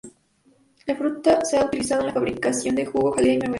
La fruta se ha utilizado en la fabricación de jugo, jalea y mermelada.